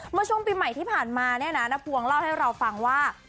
เมื่อช่วงปีใหม่ที่ผ่านมาเนี่ยนะน้าพวงเล่าให้เราฟังว่า